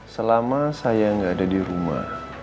selama saya nggak ada di rumah